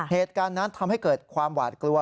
เหตุการณ์นั้นทำให้เกิดความหวาดกลัว